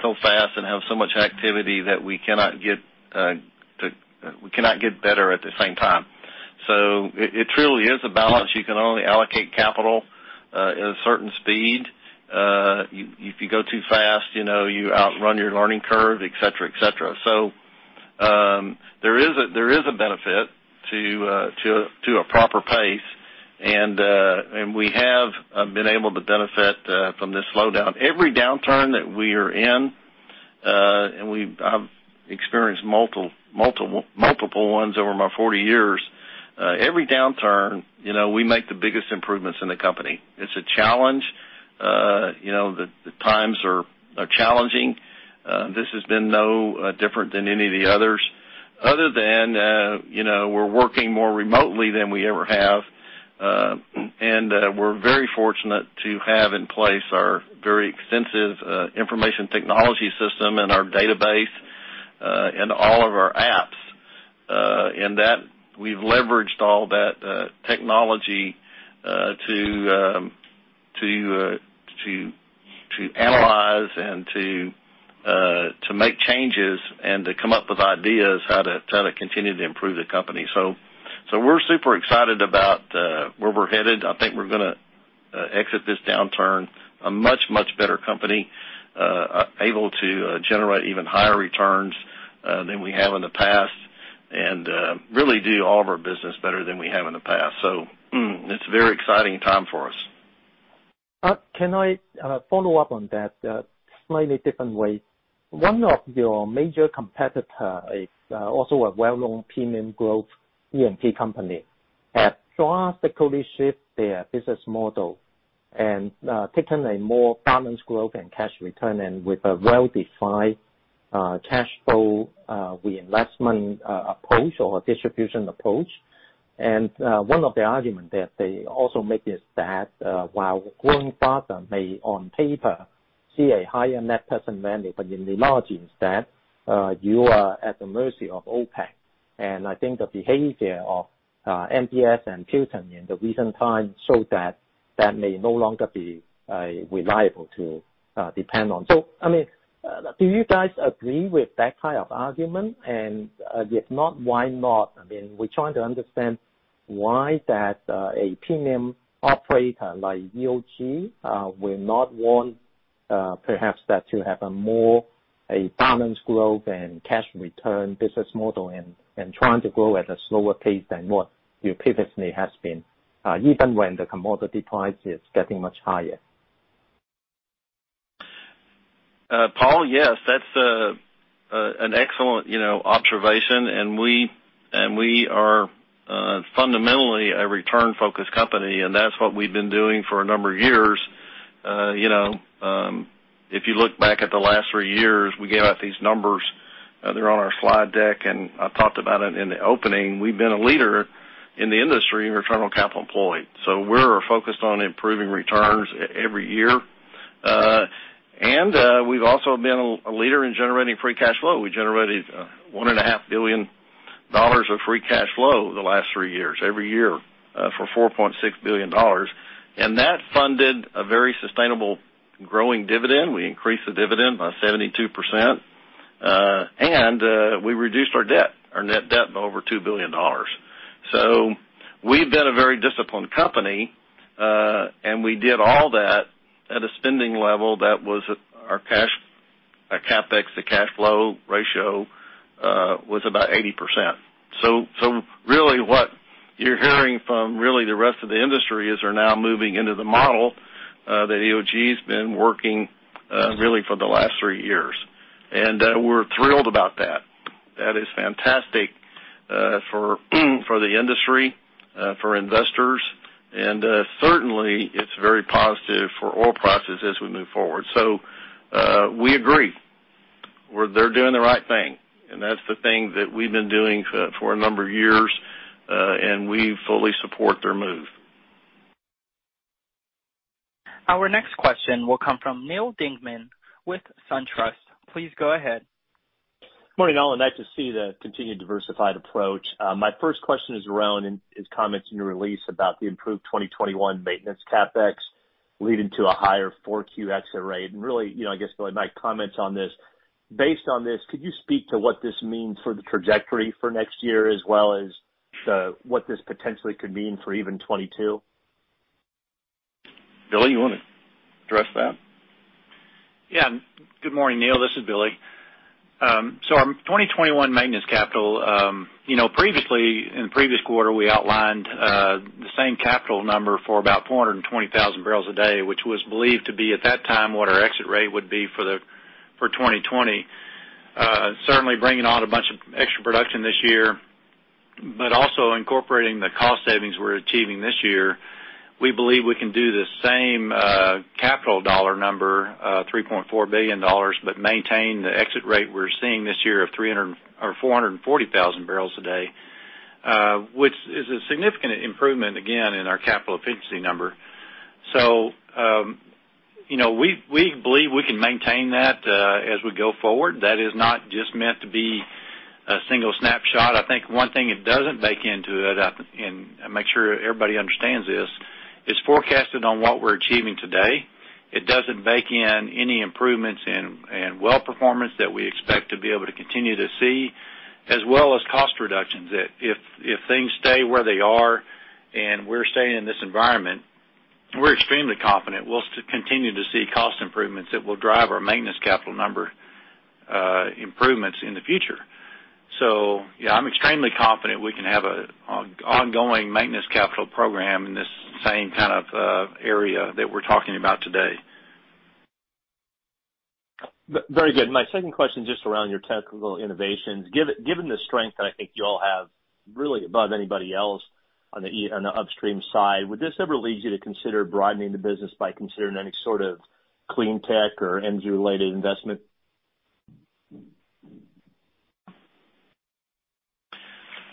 so fast and have so much activity that we cannot get better at the same time. It truly is a balance. You can only allocate capital at a certain speed. If you go too fast, you outrun your learning curve, et cetera. There is a benefit to a proper pace, and we have been able to benefit from this slowdown. Every downturn that we are in. I've experienced multiple ones over my 40 years. Every downturn, we make the biggest improvements in the company. It's a challenge. The times are challenging. This has been no different than any of the others, other than we're working more remotely than we ever have. We're very fortunate to have in place our very extensive information technology system and our database, and all of our apps That we've leveraged all that technology to analyze and to make changes and to come up with ideas how to continue to improve the company. We're super excited about where we're headed. I think we're going to exit this downturn a much, much better company, able to generate even higher returns than we have in the past, and really do all of our business better than we have in the past. It's a very exciting time for us. Can I follow up on that slightly different way? One of your major competitor is also a well-known premium growth E&P company, have drastically shift their business model and taken a more balanced growth and cash return and with a well-defined cash flow reinvestment approach or distribution approach. One of the argument that they also make is that while growing faster may on paper see a higher net present value, but in reality is that you are at the mercy of OPEC. I think the behavior of MBS and Putin in the recent times show that that may no longer be reliable to depend on. Do you guys agree with that kind of argument? If not, why not? We're trying to understand why that a premium operator like EOG will not want perhaps that to have a more balanced growth and cash return business model and trying to grow at a slower pace than what you previously has been, even when the commodity price is getting much higher. Paul, yes, that's an excellent observation. We are fundamentally a return-focused company, and that's what we've been doing for a number of years. If you look back at the last three years, we gave out these numbers. They're on our slide deck, and I talked about it in the opening. We've been a leader in the industry in return on capital employed. We're focused on improving returns every year. We've also been a leader in generating free cash flow. We generated $1.5 billion of free cash flow the last three years, every year, for $4.6 billion. That funded a very sustainable growing dividend. We increased the dividend by 72%. We reduced our debt, our net debt, by over $2 billion. We've been a very disciplined company, and we did all that at a spending level that was our cash, our CapEx to cash flow ratio was about 80%. Really what you're hearing from really the rest of the industry is they're now moving into the model that EOG's been working really for the last three years. We're thrilled about that. That is fantastic for the industry, for investors, and certainly it's very positive for oil prices as we move forward. We agree. They're doing the right thing. That's the thing that we've been doing for a number of years, and we fully support their move. Our next question will come from Neal Dingmann with SunTrust. Please go ahead. Morning, all. Nice to see the continued diversified approach. My first question is around his comments in your release about the improved 2021 maintenance CapEx leading to a higher 4Q exit rate. Really, I guess, Billy, my comments on this, based on this, could you speak to what this means for the trajectory for next year as well as what this potentially could mean for even 2022? Billy, you want to address that? Yeah. Good morning, Neal. This is Billy. Our 2021 maintenance capital, previously in the previous quarter, we outlined the same capital number for about 420,000 barrels a day, which was believed to be, at that time, what our exit rate would be for 2020. Certainly bringing on a bunch of extra production this year, but also incorporating the cost savings we're achieving this year. We believe we can do the same capital dollar number, $3.4 billion, but maintain the exit rate we're seeing this year of 440,000 barrels a day, which is a significant improvement, again, in our capital efficiency number. We believe we can maintain that as we go forward. That is not just meant to be a single snapshot. I think one thing it doesn't bake into it, and make sure everybody understands this, is forecasted on what we're achieving today. It doesn't bake in any improvements in well performance that we expect to be able to continue to see, as well as cost reductions, that if things stay where they are and we're staying in this environment, we're extremely confident we'll continue to see cost improvements that will drive our maintenance capital number improvements in the future. yeah, I'm extremely confident we can have an ongoing maintenance capital program in this same kind of area that we're talking about today. Very good. My second question, just around your technical innovations. Given the strength that I think you all have really above anybody else on the upstream side, would this ever lead you to consider broadening the business by considering any sort of clean tech or energy-related investment? Neal,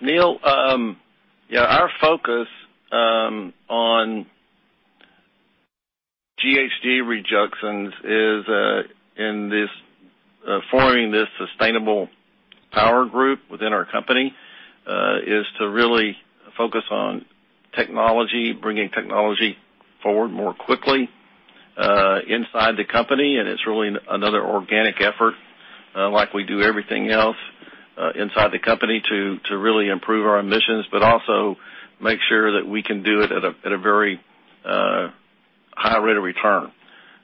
yeah, our focus on GHG reductions, in forming this sustainable power group within our company, is to really focus on technology, bringing technology forward more quickly inside the company. It's really another organic effort, like we do everything else inside the company to really improve our emissions, but also make sure that we can do it at a very high rate of return.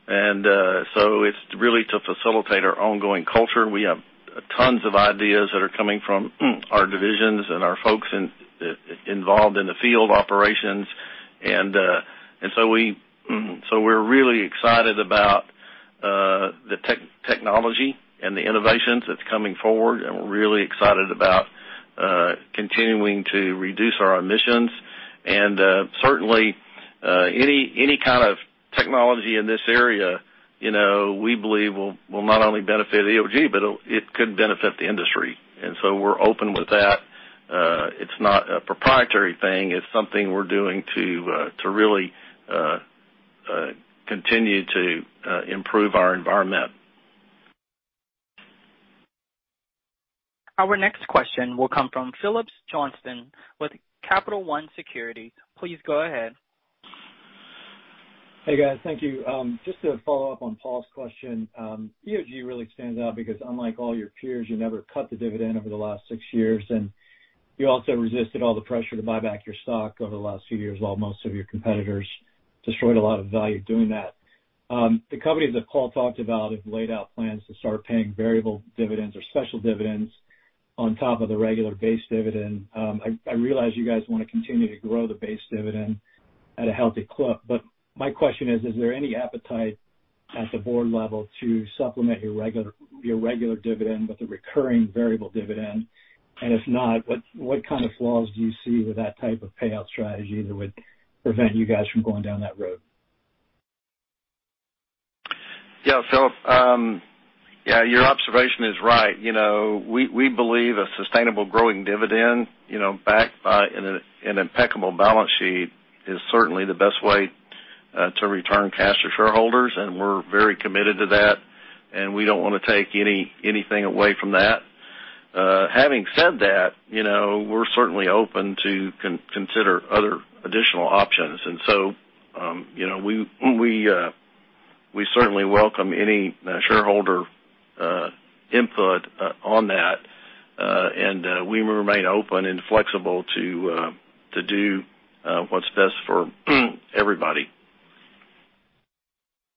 It's really to facilitate our ongoing culture. We have tons of ideas that are coming from our divisions and our folks involved in the field operations. We're really excited about the technology and the innovations that's coming forward, and we're really excited about continuing to reduce our emissions. Certainly, any kind of technology in this area, we believe will not only benefit EOG, but it could benefit the industry. We're open with that. It's not a proprietary thing. It's something we're doing to really continue to improve our environment. Our next question will come from Phillips Johnston with Capital One Securities. Please go ahead. Hey, guys. Thank you. Just to follow up on Paul's question. EOG really stands out because unlike all your peers, you never cut the dividend over the last six years, and you also resisted all the pressure to buy back your stock over the last few years, while most of your competitors destroyed a lot of value doing that. The companies that Paul talked about have laid out plans to start paying variable dividends or special dividends on top of the regular base dividend. I realize you guys want to continue to grow the base dividend at a healthy clip. My question is: Is there any appetite at the board level to supplement your regular dividend with a recurring variable dividend? If not, what kind of flaws do you see with that type of payout strategy that would prevent you guys from going down that road? Yeah, Phillips. Your observation is right. We believe a sustainable growing dividend backed by an impeccable balance sheet is certainly the best way to return cash to shareholders, and we're very committed to that, and we don't want to take anything away from that. Having said that, we're certainly open to consider other additional options. We certainly welcome any shareholder input on that, and we remain open and flexible to do what's best for everybody.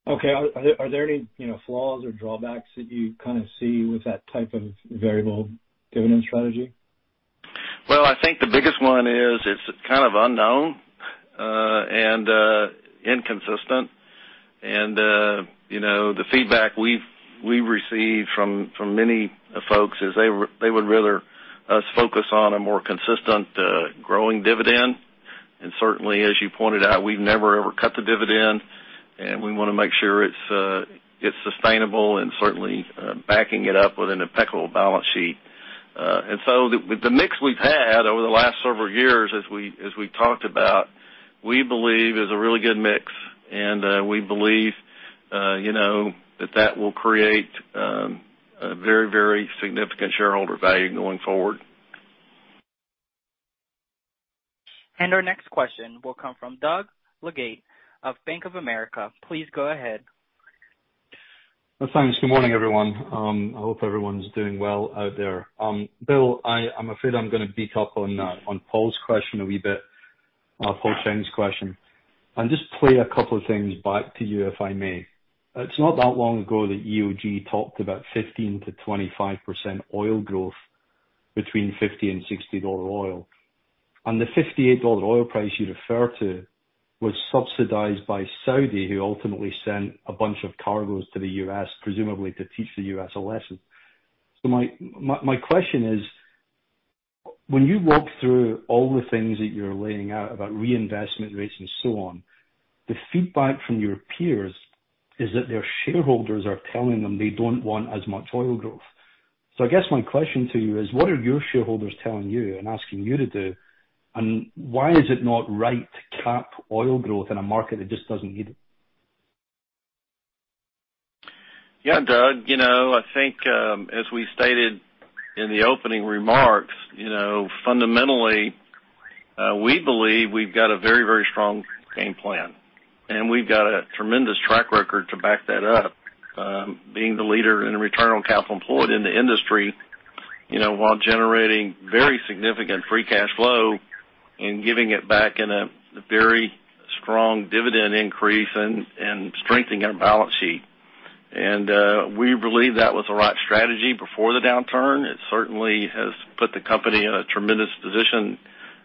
Okay. Are there any flaws or drawbacks that you see with that type of variable dividend strategy? Well, I think the biggest one is it's kind of unknown and inconsistent. The feedback we've received from many folks is they would rather us focus on a more consistent growing dividend. Certainly, as you pointed out, we've never ever cut the dividend, and we want to make sure it's sustainable and certainly backing it up with an impeccable balance sheet. The mix we've had over the last several years, as we talked about, we believe is a really good mix, and we believe that that will create a very significant shareholder value going forward. Our next question will come from Doug Leggate of Bank of America. Please go ahead. Thanks. Good morning, everyone. I hope everyone's doing well out there. Bill, I'm afraid I'm going to beat up on Paul's question a wee bit, Paul Cheng's question, and just play a couple of things back to you, if I may. It's not that long ago that EOG talked about 15%-25% oil growth between $50 and $60 oil. The $58 oil price you refer to was subsidized by Saudi, who ultimately sent a bunch of cargoes to the U.S., presumably to teach the U.S. a lesson. My question is: When you walk through all the things that you're laying out about reinvestment rates and so on, the feedback from your peers is that their shareholders are telling them they don't want as much oil growth. I guess my question to you is: What are your shareholders telling you and asking you to do, and why is it not right to cap oil growth in a market that just doesn't need it? Yeah, Doug. I think as we stated in the opening remarks, fundamentally, we believe we've got a very strong game plan, and we've got a tremendous track record to back that up, being the leader in return on capital employed in the industry while generating very significant free cash flow and giving it back in a very strong dividend increase and strengthening our balance sheet. We believe that was the right strategy before the downturn. It certainly has put the company in a tremendous position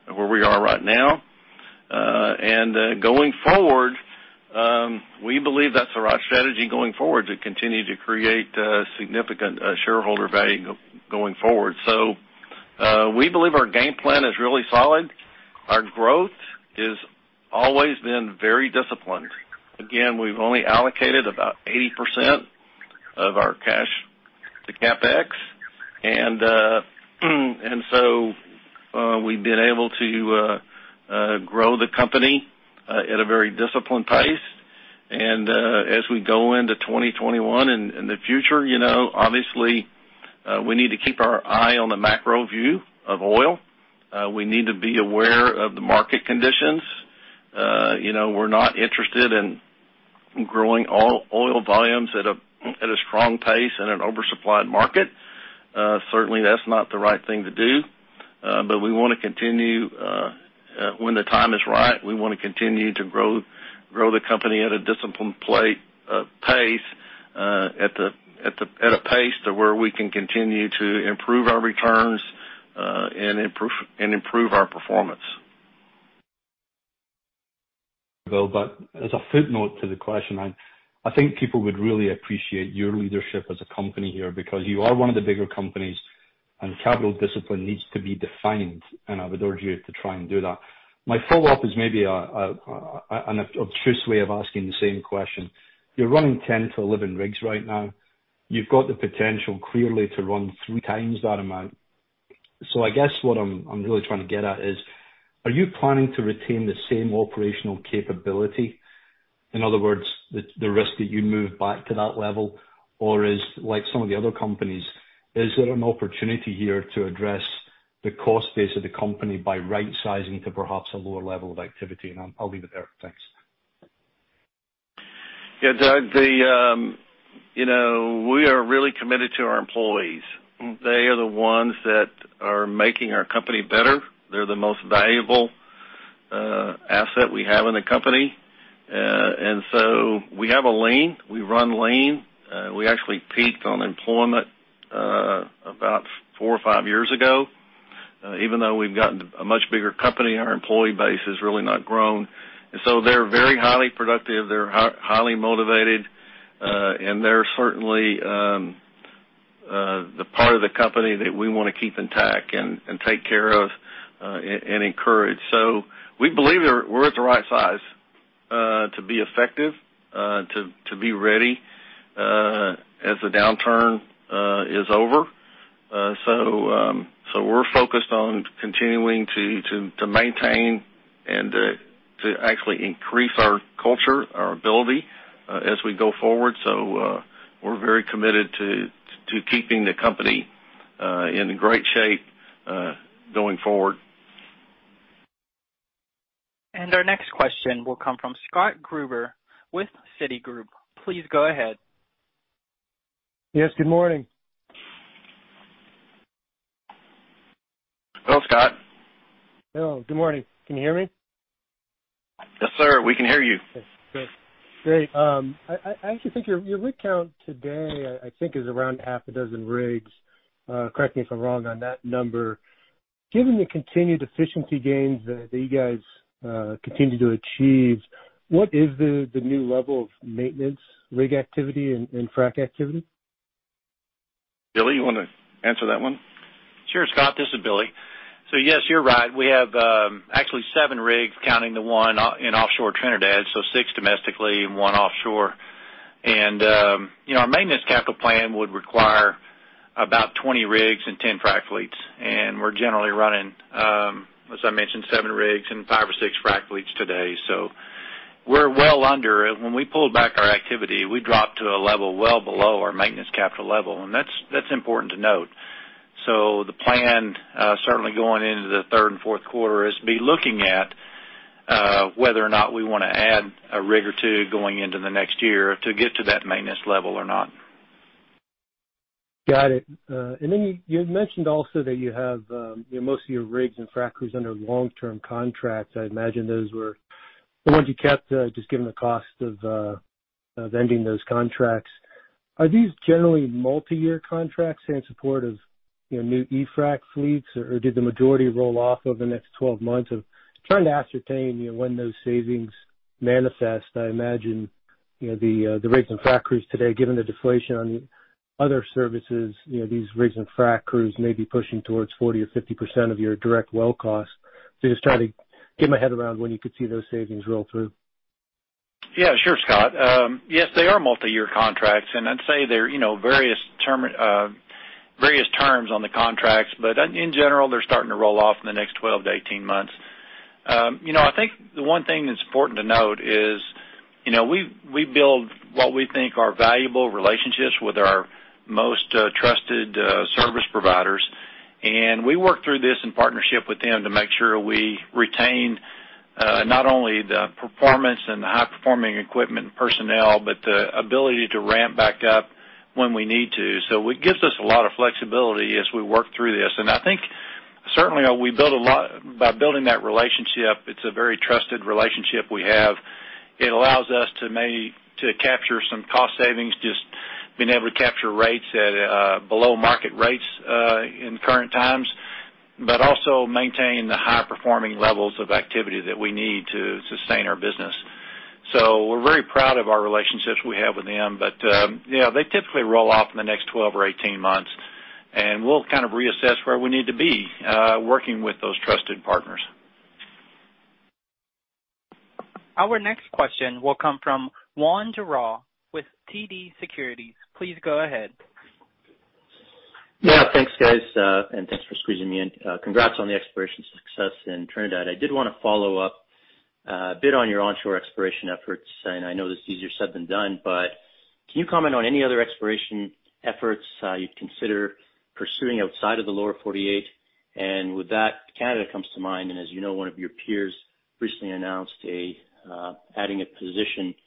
of where we are right now. Going forward, we believe that's the right strategy going forward to continue to create significant shareholder value going forward. We believe our game plan is really solid. Our growth has always been very disciplined. Again, we've only allocated about 80% of our CapEx. We've been able to grow the company at a very disciplined pace. As we go into 2021 and the future, obviously, we need to keep our eye on the macro view of oil. We need to be aware of the market conditions. We're not interested in growing oil volumes at a strong pace in an oversupplied market. Certainly, that's not the right thing to do. When the time is right, we want to continue to grow the company at a disciplined pace, at a pace to where we can continue to improve our returns, and improve our performance. Bill, as a footnote to the question, I think people would really appreciate your leadership as a company here, because you are one of the bigger companies, and capital discipline needs to be defined, and I would urge you to try and do that. My follow-up is maybe an obtuse way of asking the same question. You're running 10 to 11 rigs right now. You've got the potential, clearly, to run three times that amount. I guess what I'm really trying to get at is, are you planning to retain the same operational capability? In other words, the risk that you'd move back to that level, or is, like some of the other companies, is there an opportunity here to address the cost base of the company by right-sizing to perhaps a lower level of activity? I'll leave it there. Thanks. Yeah, Doug. We are really committed to our employees. They are the ones that are making our company better. They're the most valuable asset we have in the company. We have a lean, we run lean. We actually peaked on employment about four or five years ago. Even though we've gotten a much bigger company, our employee base has really not grown. They're very highly productive, they're highly motivated, and they're certainly the part of the company that we want to keep intact and take care of and encourage. We believe we're at the right size to be effective, to be ready as the downturn is over. We're focused on continuing to maintain and to actually increase our culture, our ability as we go forward. We're very committed to keeping the company in great shape going forward. Our next question will come from Scott Gruber with Citigroup. Please go ahead. Yes, good morning. Hello, Scott. Bill, good morning. Can you hear me? Yes, sir. We can hear you. Okay, great. I actually think your rig count today, I think is around half a dozen rigs. Correct me if I'm wrong on that number. Given the continued efficiency gains that you guys continue to achieve, what is the new level of maintenance, rig activity, and frac activity? Billy, you want to answer that one? Sure, Scott, this is Billy. Yes, you're right. We have actually seven rigs counting the one in offshore Trinidad, six domestically and one offshore. Our maintenance capital plan would require about 20 rigs and 10 frac fleets. We're generally running, as I mentioned, seven rigs and five or six frac fleets today. We're well under. When we pulled back our activity, we dropped to a level well below our maintenance capital level, and that's important to note. The plan, certainly going into the third and fourth quarter, is to be looking at whether or not we want to add a rig or two going into the next year to get to that maintenance level or not. Got it. You had mentioned also that you have most of your rigs and frac crews under long-term contracts. I'd imagine those were the ones you kept, just given the cost of ending those contracts. Are these generally multi-year contracts in support of new e-frac fleets, or did the majority roll off over the next 12 months? I'm trying to ascertain when those savings manifest. I imagine the rigs and frac crews today, given the deflation on other services, these rigs and frac crews may be pushing towards 40% or 50% of your direct well cost. Just trying to get my head around when you could see those savings roll through. Yeah, sure, Scott. Yes, they are multi-year contracts, I'd say there are various terms on the contracts, in general, they're starting to roll off in the next 12 to 18 months. I think the one thing that's important to note is we build what we think are valuable relationships with our most trusted service providers, we work through this in partnership with them to make sure we retain not only the performance and the high-performing equipment personnel, but the ability to ramp back up when we need to. It gives us a lot of flexibility as we work through this. I think certainly by building that relationship, it's a very trusted relationship we have. It allows us to capture some cost savings, just being able to capture rates at below market rates in current times, but also maintain the high-performing levels of activity that we need to sustain our business. We're very proud of our relationships we have with them. They typically roll off in the next 12 or 18 months, and we'll kind of reassess where we need to be working with those trusted partners. Our next question will come from Juan Jarrah with TD Securities. Please go ahead. Yeah, thanks guys, and thanks for squeezing me in. Congrats on the exploration success in Trinidad. I did want to follow up a bit on your onshore exploration efforts, and I know this is easier said than done, but can you comment on any other exploration efforts you'd consider pursuing outside of the Lower 48? With that, Canada comes to mind, and as you know, one of your peers recently announced adding a position to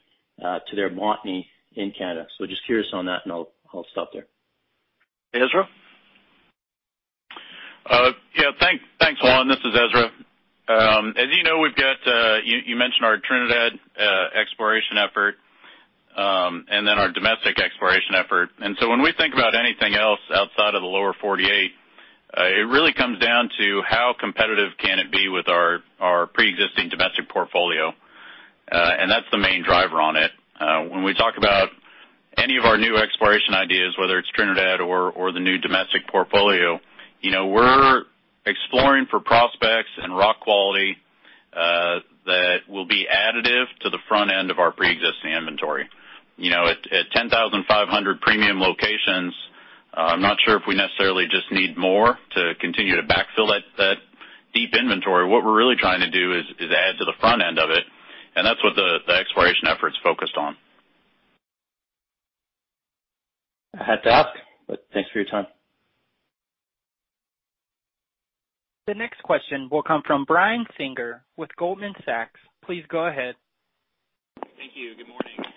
their Montney in Canada. Just curious on that, and I'll stop there. Ezra? Yeah. Thanks, Juan. This is Ezra. As you know, you mentioned our Trinidad exploration effort, and then our domestic exploration effort. When we think about anything else outside of the Lower 48, it really comes down to how competitive can it be with our preexisting domestic portfolio. That's the main driver on it. When we talk about any of our new exploration ideas, whether it's Trinidad or the new domestic portfolio, we're exploring for prospects and rock quality that will be additive to the front end of our preexisting inventory. At 10,500 premium locations, I'm not sure if we necessarily just need more to continue to backfill that deep inventory. What we're really trying to do is add to the front end of it, and that's what the exploration effort's focused on. I had to ask, but thanks for your time. The next question will come from Brian Singer with Goldman Sachs. Thank you. Good morning.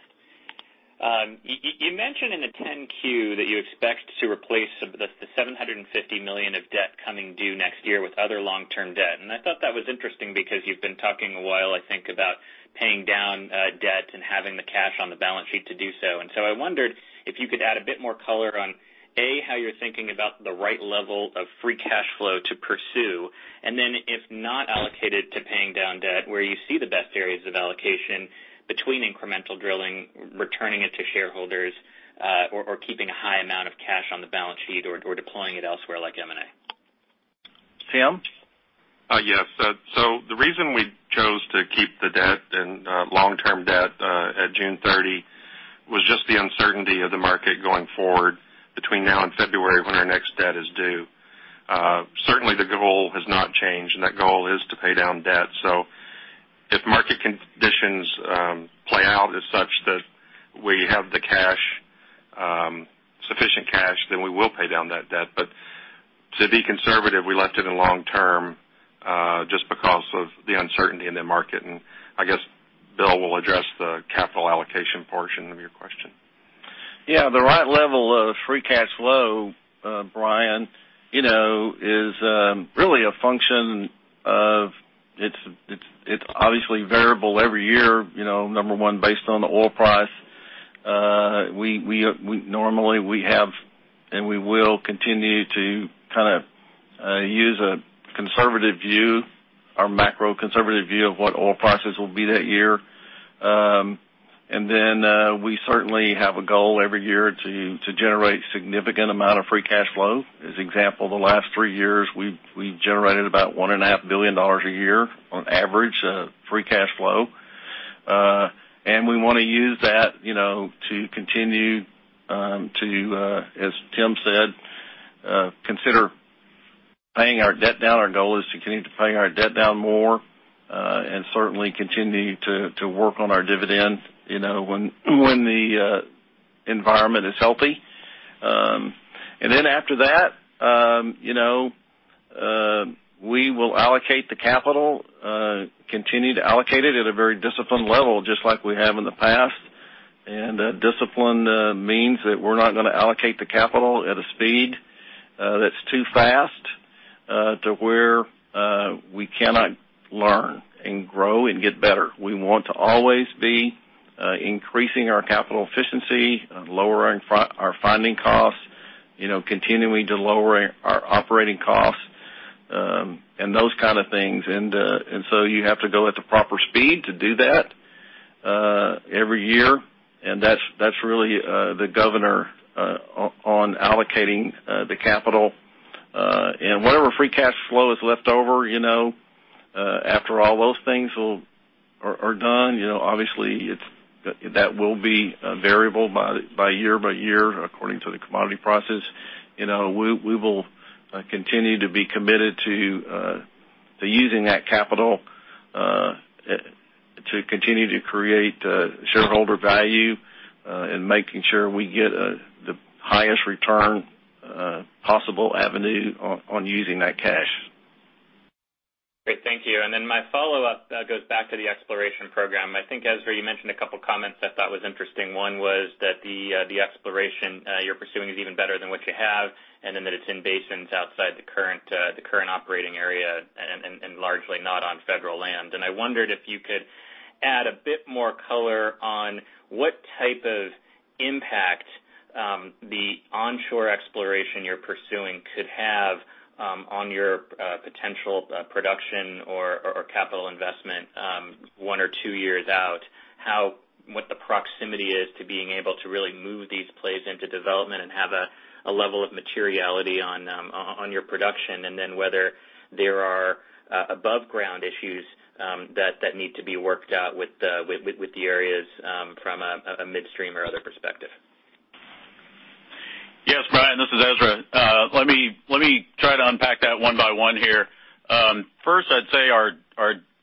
You mentioned in the 10-Q that you expect to replace the $750 million of debt coming due next year with other long-term debt, and I thought that was interesting because you've been talking a while, I think, about paying down debt and having the cash on the balance sheet to do so. I wondered if you could add a bit more color on, A, how you're thinking about the right level of free cash flow to pursue, and then if not allocated to paying down debt, where you see the best areas of allocation between incremental drilling, returning it to shareholders, or keeping a high amount of cash on the balance sheet or deploying it elsewhere, like M&A. Tim? Yes. The reason we chose to keep the debt and long-term debt at June 30 was just the uncertainty of the market going forward between now and February, when our next debt is due. Certainly, the goal has not changed, and that goal is to pay down debt. If market conditions play out as such that we have the sufficient cash, then we will pay down that debt. To be conservative, we left it in long term, just because of the uncertainty in the market, and I guess Bill will address the capital allocation portion of your question. Yeah, the right level of free cash flow, Brian, is really a function. It's obviously variable every year. Number one, based on the oil price. Normally, we have and we will continue to use a conservative view, our macro conservative view of what oil prices will be that year. We certainly have a goal every year to generate significant amount of free cash flow. As example, the last three years, we've generated about $1.5 billion a year on average free cash flow. We want to use that to continue to, as Tim said, consider paying our debt down. Our goal is to continue to pay our debt down more, and certainly continue to work on our dividend when the environment is healthy. After that, we will allocate the capital, continue to allocate it at a very disciplined level, just like we have in the past. Discipline means that we're not going to allocate the capital at a speed that's too fast to where we cannot learn and grow and get better. We want to always be increasing our capital efficiency, lowering our finding costs, continuing to lower our operating costs, and those kind of things. You have to go at the proper speed to do that every year, and that's really the governor on allocating the capital. Whatever free cash flow is left over after all those things are done, obviously that will be variable by year by year, according to the commodity prices. We will continue to be committed to using that capital to continue to create shareholder value, and making sure we get the highest return possible avenue on using that cash. Great. Thank you. My follow-up goes back to the exploration program. I think, Ezra, you mentioned a couple comments I thought was interesting. One was that the exploration you're pursuing is even better than what you have, and then that it's in basins outside the current operating area and largely not on federal land. I wondered if you could add a bit more color on what type of impact the onshore exploration you're pursuing could have on your potential production or capital investment one or two years out is to being able to really move these plays into development and have a level of materiality on your production, and then whether there are above ground issues that need to be worked out with the areas from a midstream or other perspective. Yes, Brian, this is Ezra. Let me try to unpack that one by one here. I'd say,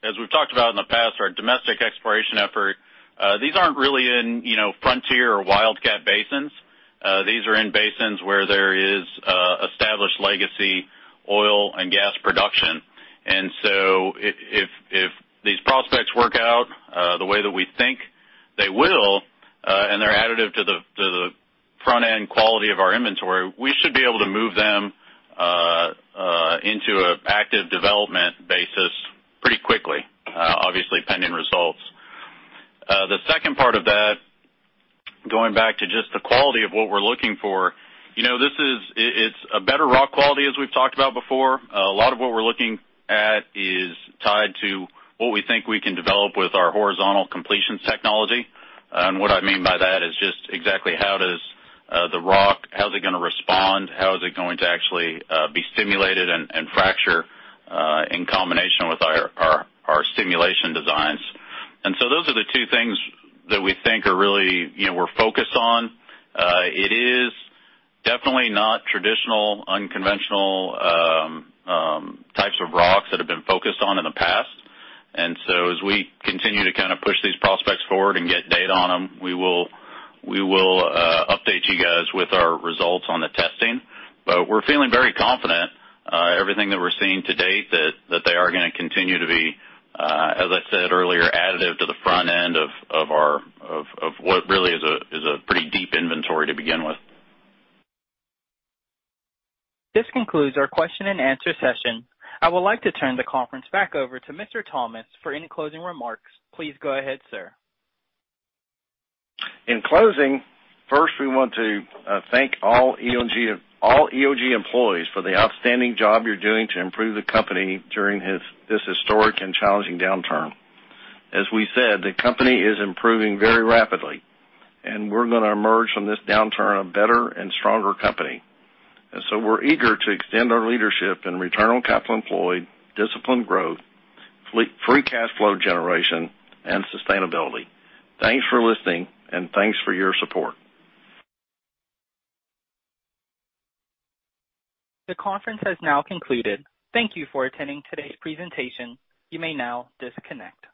as we've talked about in the past, our domestic exploration effort, these aren't really in frontier or wildcat basins. These are in basins where there is established legacy oil and gas production. If these prospects work out the way that we think they will, and they're additive to the front-end quality of our inventory, we should be able to move them into an active development basis pretty quickly, obviously pending results. The second part of that, going back to just the quality of what we're looking for. It's a better rock quality, as we've talked about before. A lot of what we're looking at is tied to what we think we can develop with our horizontal completion technology. What I mean by that is just exactly how does the rock, how's it going to respond? How is it going to actually be stimulated and fracture in combination with our stimulation designs? Those are the two things that we think we're focused on. It is definitely not traditional, unconventional types of rocks that have been focused on in the past. As we continue to push these prospects forward and get data on them, we will update you guys with our results on the testing. We're feeling very confident. Everything that we're seeing to date that they are going to continue to be, as I said earlier, additive to the front end of what really is a pretty deep inventory to begin with. This concludes our question-and-answer session. I would like to turn the conference back over to Mr. Thomas for any closing remarks. Please go ahead, sir. In closing, first, we want to thank all EOG employees for the outstanding job you're doing to improve the company during this historic and challenging downturn. As we said, the company is improving very rapidly, and we're going to emerge from this downturn a better and stronger company. We're eager to extend our leadership in return on capital employed, disciplined growth, free cash flow generation, and sustainability. Thanks for listening, and thanks for your support. The conference has now concluded. Thank you for attending today's presentation. You may now disconnect.